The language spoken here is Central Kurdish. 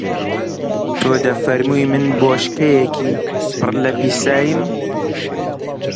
تۆ دەفەرمووی من بۆشکەیەکی پڕ لە پیساییم